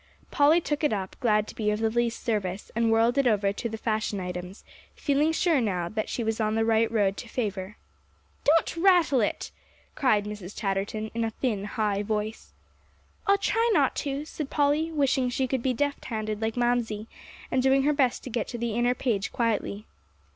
Polly took it up, glad to be of the least service, and whirled it over to get the fashion items, feeling sure that now she was on the right road to favor. "Don't rattle it," cried Mrs. Chatterton, in a thin, high voice. "I'll try not to," said Polly, wishing she could be deft handed like Mamsie, and doing her best to get to the inner page quietly.